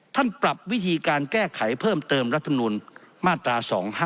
ปรับวิธีการแก้ไขเพิ่มเติมรัฐมนูลมาตรา๒๕๖